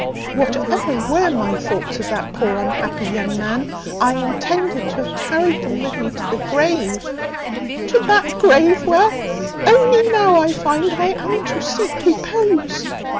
Whatever were my thoughts of that poor, unhappy young man, I intended to have carried them with me to my grave to that grave where only now, I find, I am to seek repose."